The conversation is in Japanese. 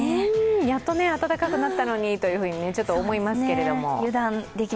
やっと暖かくなったのにと思いますけれども。